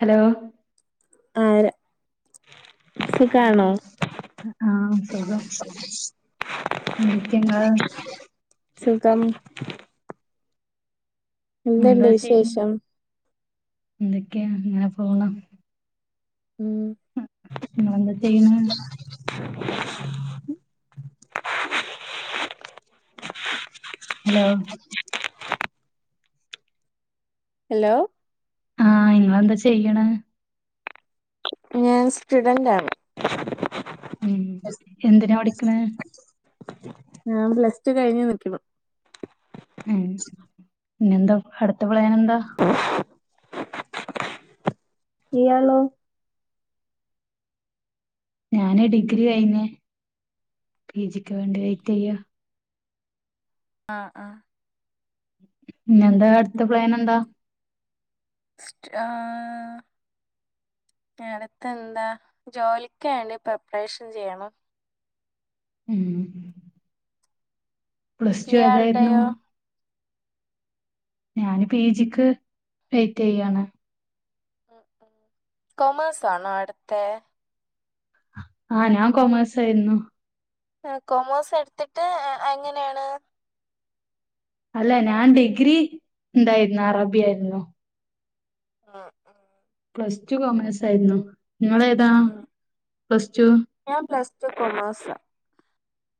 Hello. ആ ആഹ് സുഖം. എന്തൊക്കെങ്ങള് സുഖം. എന്തുണ്ട് എന്താ ചെയ്ന്നെ വിശേഷം എന്തൊക്കെയാ അങ്ങനെ പോണു ഉം ഇങ്ങളെന്താ ചെയ്യ്ണ്. ഹലോ. ഹലോ. ആ ഇങ്ങളെന്താ ചെയ്യ് ണ ഞാൻ സ്റ്റുഡന്റാണ്. ഉം എന്തിനാ പഠിക്കണത് ഞാൻ പ്ലസ് ടു കഴിഞ്ഞു നിക്കുവാ ഉം പിന്നെന്താ അടുത്ത പ്ലാൻ എന്താ. ഇയാളോ. ഞാന് ഡിഗ്രി കയിഞ്ഞു പിജി ക്ക്‌ വേണ്ടി വെയ്റ്റെയ്യ. ആ ആ പിന്നന്താ അടുത്ത പ്ലാൻ എന്താ. സ്റ്റ് ആ. അടുത്തെന്താ ജോലിക്ക് വാണ്ടി പ്രിപ്പറേഷൻ ചെയ്യണം. ഉം പ്ലസ് ടു ഏതായിരുന്നു. ഇയാളുടെയോ ഞാന് പി ജിക്ക് വെയിറ്റ് ചെയ്യാണ്. അ ആഹ് കൊമേഴ്സ് ആണോ എടുത്തെ ആഹ് ഞാൻ കോമേഴ്സ് ആയിരുന്നു. ആ കൊമോഴസ് എടുത്തിട്ട് എങ്ങനെയാണ്. അല്ല, ഞാൻ ഡിഗ്രി ഇണ്ടായിരുന്നു അറബിയായിരുന്നു. ആഹ് ആഹ് പ്ലസ് ടു കോമേഴ്സ് ആയിരുന്നു, നിങ്ങളേതാ ഉം പ്ലസ് ടു. [unintelligible] കോമേഴ്‌സാ.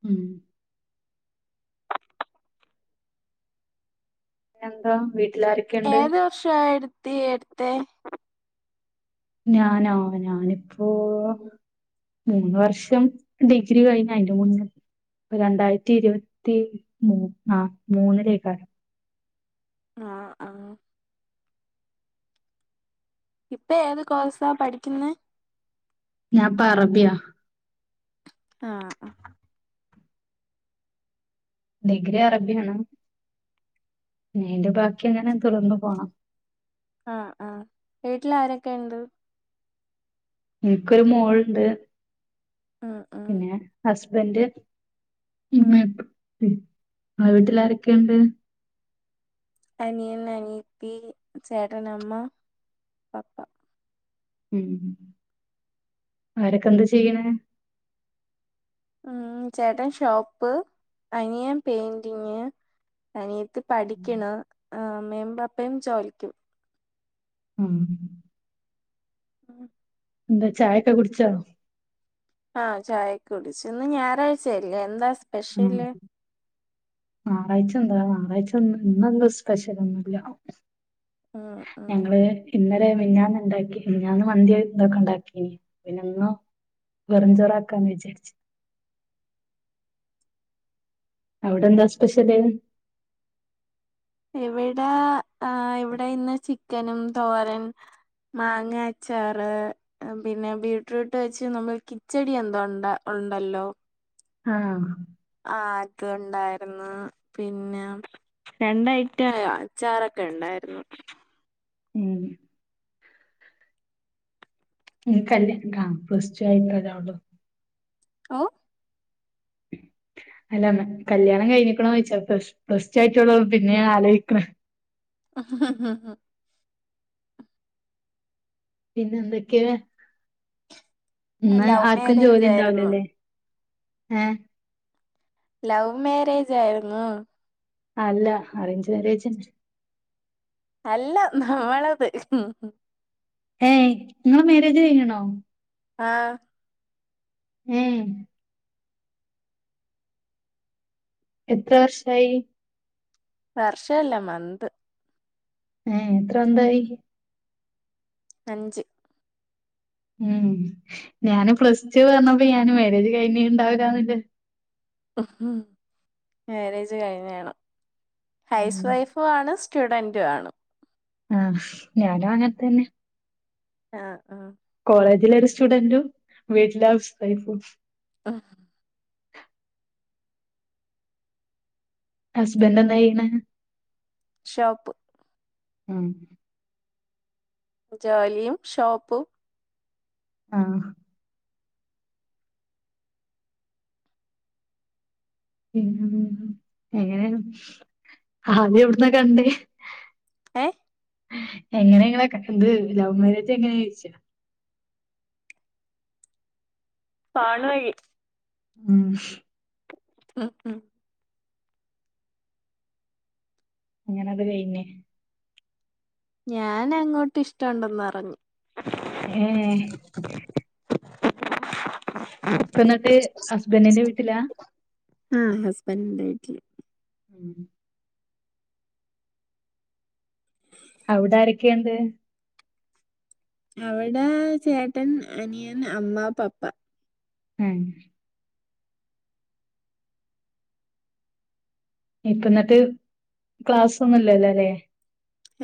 ഉം. പിന്നെന്താ വീട്ട് ഏത് വർഷാ ആ എടുത്തി എടുത്തെ ഞാനോ ഞാനിപ്പോ മൂന്ന് വർഷം ഡിഗ്രി കഴിഞ്ഞ് അയ്ന്റെ മുന്ന് രണ്ടായിരത്തി ഇരുപത്തി മൂന്നാ മൂന്നിലേക്കാരം ആഹ് ആഹ് ഇപ്പൊ ഏത് കോഴ്സാ പഠിക്കുന്നെ ഞാപ്പ അറബിയാ ആഹ് അ ഡിഗ്രി അറബിയാണ് ഈന്റെ ബാക്കി അങ്ങനെ തുടർന്നു പോണം ആഹ് ആഹ വീട്ടില് ആരൊക്കെ ഇണ്ട് ഇനിക്കൊര് മോൾണ്ട് ഉം ഉം പിന്നെ ഹസ്ബൻഡ് ഉം [unintelligible] ആ വീട്ടില് ആാരൊക്കെയുണ്ട് അനിയൻ അനിയത്തി ചേട്ടൻ അമ്മ പപ്പാ ഉം ആവരൊക്കെ എന്താ ചെയ്യണെ ഉം ചേട്ടൻ ഷോപ്പ് അനിയൻ പെയിന്റിങ് അനിയത്തി പഠിക്കണ് അമ്മയും പാപ്പയും ചോലിക്ക് ഉം ഉം എന്താ ചായക്കെ കുടിച്ചാ ആഹ ചായക്ക കുടിച്ചു ഇന്ന് ഞായറാഴ്ചയല്ലെ എന്താ സ് ഉ ആറായ്ച്ച ന്താ ഞായറാഴ്ച്ചന്ന് ഇന്നൊന്ന് സ്പെഷ്യലൊന്നുല്ല്യ ഉം ഉം ഞങ്ങള് ഇന്ന അതെ മിന്യാന്ന് ഇണ്ടാക്കി മിന്യാന്ന് മന്തി തൊക്കെ ഉണ്ടാക്കീ പിന്നെന്നു വെറഞ്ചോറാക്കി അവിടെ എന്താ സ്പെഷ്യല് ഇവിടാ ആ ഇവിടെ ഇന്ന് ചിക്കനും തോരൻ മാങ്ങ അച്ചാറ് പിന്നെ ബീട്രൂട്ട് വെച്ച് നമ്മൾ കിച്ചടി എന്തോ ഉണ്ട് ഉണ്ടല്ലോ ആഹ ആ അതുണ്ടായിരുന്ന് പിന്നെ രണ്ടഐറ്റായ അച്ചാറൊക്കെ ഉണ്ട് ണ്ടായിരുന്നു ഉം നീ കല്യാ കാ പ്ലസ് ടു ആയിട്ടല്ലെ ആവള്ളൂ ഓ [inaudible] അല്ല കല്യാണം കഴിഞ്ഞിക്കണൊ ചോയ്ച്ചാ പ്ലസ് ടു ആയിട്ടുള്ളത് പിന്നെയാ ആലോയിക്ക്ണെ ആ ആഹ ആഹ ഹാ പിന്നെ എന്തൊക്കെയാ ഇന്ന് ലവ് ആർക്കും ജോലി മാരേജ് ആയിരുന്നു ഇണ്ടാവൂലല്ലേ ഏ ലവ് മാരേജ് ആയിരുന്നോ അല്ല അറേഞ്ച് മാര്യേജന്നെ അല്ല നമ്മളത് ഏയ് നിങ്ങളെ മരേജ് കഴഞ്ഞ്ണോ ആഹ ഹം എത്ര വർഷായി വർഷല്ല മന്ത് ഏ എത്ര മന്തായി അഞ്ച് ഉം ഞാന് പ്ലസ് ടു പറഞ്ഞപ്പോ ഞാന് മാരേജ് കഴിഞ്ഞിണ്ടാവില്ലാന്ന് വ മ് ഹ് മാരേജ് കഴിഞ്ഞാണ്. ഹൗസ് ഉം വൈഫുആണ്. സ്റ്റുഡന്റുംആണ്. ആ.. ഹ് ഞാനുഅങ്ങനെത്തന്നെ അ ആ... കോളേജിലൊരു സ്റ്റുഡന്റും വീട്ടില് ഹൗസ് വൈഫും. ആ.. ഹ്.. ഹസ്ബൻന്റെന്തയ്യിണെ? ഷോപ്പ്. ആ.. ഹ്. ജോലിയും, ഷോപ്പും. ആഹ് ഉം [unintelligible] എങ്ങനേ.. ആദ്യെവ്ട്ന്ന കണ്ടേ....? എഹ് എങ്ങനെങ്ങളെ കണ്ട് ലവ് മാരേജങ്ങനെയ്ച്ച ഫോണ്വഴി ഉംമ്... മ്. മ്. അങ്ങനത് കയ്ഞ്. ഞാനങ്ങോട്ടിഷ്ട്ടോണ്ടെന്ന് പറഞ്. ഏഹ്..... ഇപ്പന്നിട്ട് ഹസ്ബന്റിന്റെ വീട്ടിലാ..?. ആഹ്... ഹസ്ബന്റിന്റെ വീട്ടില്. ഉം അവ്ടാരെക്കേണ്ട്? അവിടേ... ചേട്ടൻ, അനിയൻ, അമ്മ, പപ്പ. മ്മ് ഇപ്പന്നിട്ട് ക്ലാസൊന്നുല്ലല്ലലേ.?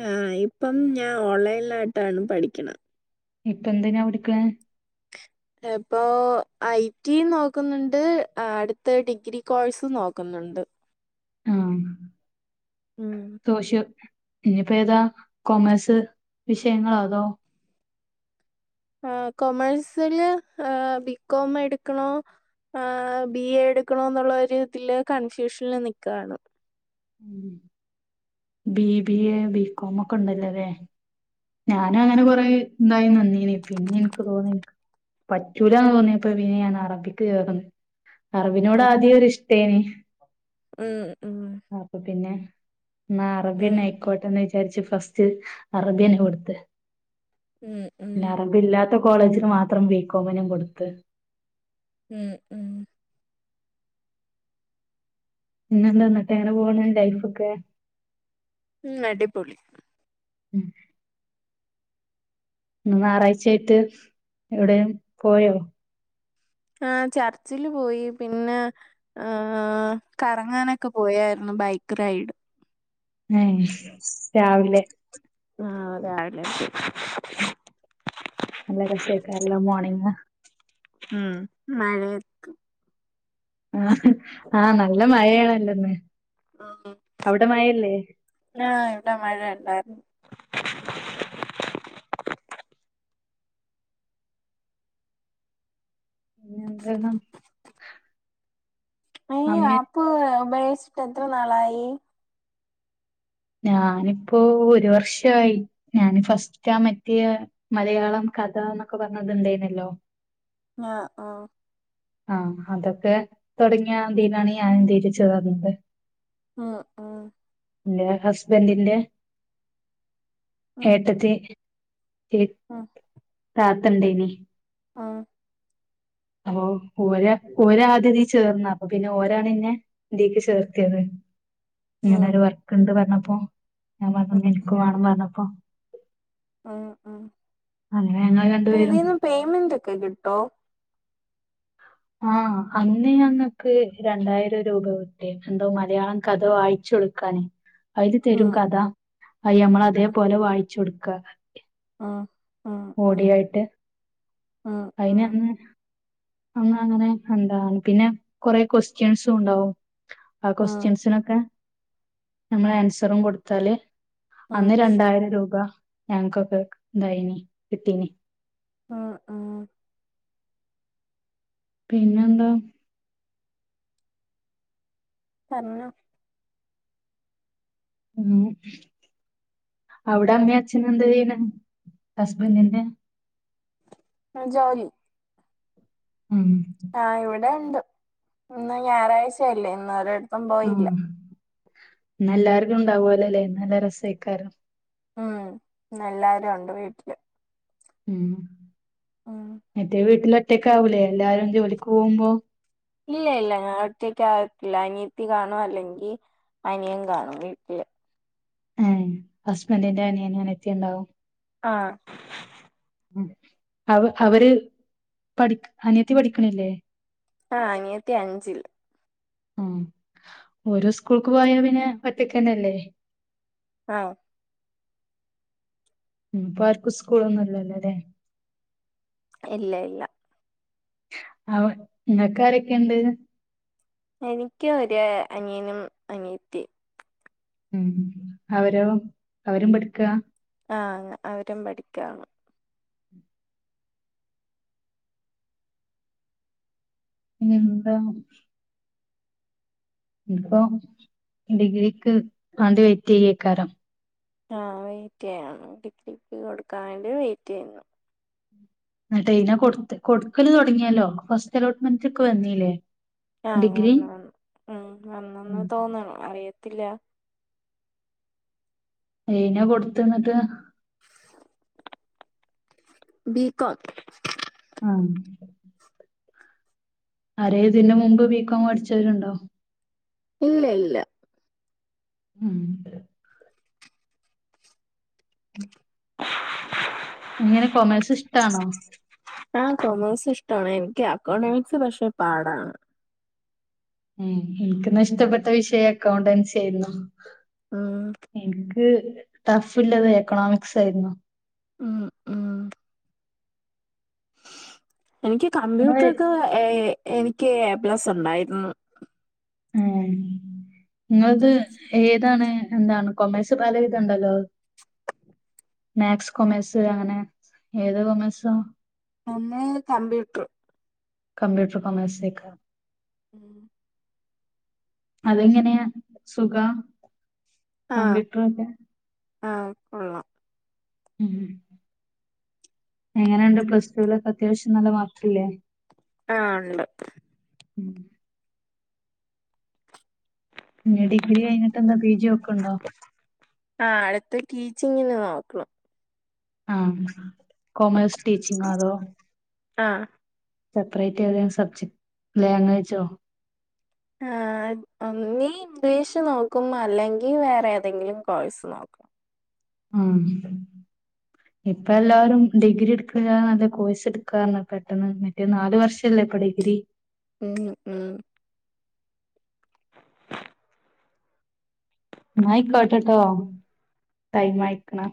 ആഹ്... ഇപ്പം ഞാൻ ഓൺലൈലാട്ടാണ് പഠിക്കണ ഇപ്പെന്തിനാ.. പഠിക്വെ? എഹ് പ്പോ... ഐറ്റിം.. നോക്കുന്നുണ്ട് അ അടുത് ഡിഗ്രി കോഴ്സും നോക് ന്നുണ്ട് തോഷ്യോ... ഞ്ഞിപ്പേതാ... കൊമേഴ്സ് വിഷയങ്ങളൊ.. അതോ.. ആഹ്.. കൊമേഴ്സില് അഹ് ബികോമെടുക്കണോ ആഹ്... ബി എ എടുക്കണോന്നുള്ളൊരുതില് കൺഫ്യൂഷല്നിക്കാണ്. ഉം ബി ബിഎ ബികോമൊക്കണ്ടല്ലോലേ... ഞാനും അങ്ങനെ കൊറേ എന്തായി [unintelligible] പിന്നെ എനിക്ക് തോന്നി പറ്റൂലാന്ന് തോന്നിയപ്പ പിന്നെ ഞാന് അറബിക്ക് ചേർന്ന്. അറബിനോട് ഉം അധ്യെ ഒരു ഇഷ്ട്ടെനീ ഉം ഉം അപ്പപിന്നെ എന്നാ അറബി തന്നെ ഉം ആയിക്കോട്ടേന്ന് വിചാരിച്ച് ഫസ്റ്റ് അറബി തന്നെ കൊട്ത്ത് മ്ഹ് മ്ഹ് കോളേജില് മാത്രം ബി കോമിനും കൊട്ത്തു. മ്ഹ് മ്ഹ് പിന്നെ എന്താ [unintelligible] പോണൂ ലൈഫൊക്കേ ഉം അടിപൊളി മ്ഹ് ഇന്ന് ഞായറാഴ്ച്ച ആയിട്ട് എവിടേം പോയോ ആഹ് ചർച്ചില് പോയി പിന്നേ ആഹ് കറങ്ങാനൊക്കെ പോയാർന്നൂ ബൈക്ക് റൈഡ്. ഏഹ് രാവിലെ ആഹ് രാവിലെ [unintelligible] നല്ല രസായ്ക്കല്ലേ മോണിങ്ങ് ഉം മഴേത്ത് ആഹ് നല്ല മഴയാണല്ലൊ ഇന്ന് ആഹ് ആഹ് ഇവിടെ മഴ ഉണ്ടാർന്നു പിന്നെ [unintelligible] അപ്പ ഈ ആപ്പ് ഉപയോഗിചിട്ട് എത്ര നാളായി ഞാനിപ്പോ ഒരു വർഷായി. ഞാന് ഫസ്റ്റ് ആ മറ്റെ മലയാളം കഥ എന്നൊക്കെ പറഞ്ഞു അത് ഉണ്ടായിരുന്നല്ലോ ആ ആ ആ അതൊക്കെ തൊടങ്ങിയ ആ തിനാണ് ഞാനും തില് ചേർന്നത് ആ ആ ന്റെ ഹസ്ബൻ്റിന്റെ ഉം ഏട്ടത്തി ക്ക് ഉം താത്തണ്ടേനി ആ അവൊ ഓരാ ഓരാദ്യ തി ചേർന്ന് അപ്പ പിന്നെ ഓരാണ് ന്നെ ഇതീക്ക് ചേർത്തിയേത് ഇങ്ങനെ ഉം ഒരു വർക്ക്ണ്ട് പർണപ്പോ ഞാൻ പർണു ഉം തിൻക്ക് വാണം പർണപ്പോ ഉം ഉം അങ്ങനെ ഞങ്ങൾ രണ്ടുപേരും തിതിന്ന് പേമെന്റ് ഒക്കെ കിട്ടോ ആ അന്ന് ഞങ്ങക്ക് രണ്ടായിരം രൂപ കിട്ടീറ്റ്ണ്ട് മലയാളം കഥ വായിച്ചു കൊടുക്കാനെ അയ്‌ല് തരും ഉം കഥ അയ്യമ്മൾ ഉം അതേപോലെ വായിച്ചൊട്ക്ക ഉം ഉം ഓടിയായിട്ട് ഉം ഉം അയിനന്ന് അങ്ങ അങ്ങനെ ഉണ്ടാവും പിന്നെ കൊറെ ക്വസ്റ്റ്യൻസും ഉണ്ടാവും ആ ഉം ഉം ക്വസ്റ്റ്യൻസിനൊക്കെ നമ്മൾ ആൻസറും കൊടുത്താല് ഉം അന്ന് രണ്ടായിരം രൂപ ഞങ്ങക്കൊക്കെ ണ്ടായിനി കിട്ടീനി ആ ആ പിന്നെന്താ പർഞ്ഞൊ ഉം അവ്ടെ അമ്മി അച്ഛനു എന്തയ്യ്ണ് ഹസ്ബൻ്റിന്റെ [unintelligible] ഉം ആ ഇവിടെ ണ്ട് ഇന്ന് ഞായറാഴ്ചയല്ലേ ഇന്ന് ഒരിട്ത്തും പോയില്ല ന്നെല്ലാർക്കും ണ്ടാവോലൊല്ലെ ന്നല്ല രസേയ്ക്കാരം ഉം ന്ന് എല്ലാരൊണ്ട് വീട്ടില് ഉം ഉം മറ്റേ വീട്ടിലൊറ്റക്കാവൂലേ എല്ലാരും ജോലിക്ക് പോവുമ്പോ ഇല്ല ഇല്ല ഞാൻ ഒറ്റക്ക ആവത്തില്ല അനിയത്തി കാണു അല്ലെങ്കി അനിയൻ കാണും വീട്ട്ല് ഉം ഹസ്ബൻ്റിന്റെ അനിയനു ആനിയത്തി ണ്ടാവും ആ ഉം അവ് അവര് പഠിപ്പ് അനിയത്തി പഠിക്ക്ണില്ലേ ആ അനിയത്തി അഞ്ചില് ഉം ഓര് സ്കൂൾക്ക് പോയാ പിന്നെ ഒറ്റക്കെന്നെല്ലേ ആ ഉം പ്പൊ ആർക്കു സ്കൂളൊന്നുല്ലല്ലൊ ലെ ഇല്ല ഇല്ല അവ ങ്ങക്കാരൊക്കെണ്ട് എനിക്ക് ഒര അനിയനും അനിയത്തിം ഉം അവരോ അവരും പഠിക്ക ആ അവരും പഠിക്കാണ് ഇനി എന്താ ഇപ്പൊ ഡിഗ്രിക്ക് വണ്ട് വെയിറ്റ് ചെയ്യേക്കാരം ആഹ വെയയിറ്റ് ചെയ്യണം കലിക്ക് കൊടുക്കാാനേി വെയയിറ്റ് ചെയ്യുന്നു എന്നട്ടെ ഇന കൊടുത്ത് കൊടുക്കല് തുടങ്ങിയാലോ ഫസ്റ്റ് അലോട്ട്മെന്റ് ഒക്കെ വന്നീല്ലേ ആഹ വ ഡിഗ്രി വു ഉം വന്നന്ന് ഉം തോന്നണം അറിയത്തില്ല അനെ കൊടുത്തത് ബകട്ട ആഹ അര ഇതിന്റെ മുമ്പ് ബീികോം പഠിച്ചവരുണ്ടോ ഇല്ലില്ല ഉം എങ്ങനെ കൊമേഴ്സ് ഇഷ്ടാണോ ആഹ് കൊമേഴ്സ് ഇഷ്ടമാണ് എനിക്ക് അക്കോണോമിക്സ് പക്ഷെ പാടാണ് ഉം എനിക്കന്ന ഇഷ്ടപ്പെട്ട വിഷയം അക്കൗണ്ടൻസി ആയിരുന്നു ഉം എന് ക്ക് ടഫിള്ളത് എക്കണോമിക്സ് ആയിരുന്നു ഉം ഉം എനിക്ക് നിങ്ങള് കമ്പ്യൂട്ടർ ഒക്കെ എനിക്ക് എ പ്ലസ് ഉണ്ടായിരുന്നു ആ നിങ്ങളത് ഏതാണ് എന്താണ് കൊമേഴ്സ് പല വിധം ഒണ്ടല്ലോ മാത്സ് കൊമേഴ്സ് അങ്ങനെ ഏതോ കൊമേഴ് ഒന്ന് കംമ്പ്യൂട്ടറ് കംമ്പ്യൂട്ടറ് കൊമേഴ്‌സേക്കാ ഉം അതെങ്ങനെയാ സുഖ കമ്പ്യൂട്ടറൊക്കെ ആ കൊള്ളാം ഉം എങ്ങനെയുണ്ട് പ്ലസ് ടുവിലൊക്കെ അത്യാവശ്യം നല്ല മാർക്കില്ലേ ആ ഉണ്ട് ഉം പിന്നെ ഡിഗ്രി കഴിഞ്ഞിട്ട് എന്താ പി ജി ഒക്കെണ്ടോ [unintelligible] ടീച്ചിങ്ങിന് നോക്കണം ആ കോമേഴ്സ് ടീച്ചിങ്ങൊ അതോ ആ സെപ്പറേറ്റ് ഏതെലും സബ്ജെക്ട് ലാംഗ്വേജോ ആ ഒന്നീ ഇംഗ്ലീഷ് നോക്കും അല്ലെങ്കിൽ വേറെ ഏതെങ്കിലും കോഴസ് നോക്കും ആ ഇപ്പ എല്ലാവരും ഡിഗ്രി എടുക്ക നല്ല കോഴ്സ് എടുക്കാറാണ് പെട്ടെന്ന് മറ്റേ നാല് വർഷ ല്ലേപ്പ ഡിഗ്രി ഉം ഉം എന്നയിക്കോട്ടട്ടോ ടൈമായിക്കണ്